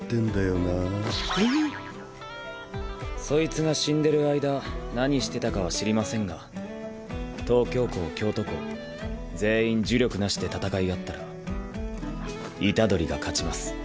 そいつが死んでる間何してたかは知りませんが東京校京都校全員呪力なしで戦い合ったら虎杖が勝ちます。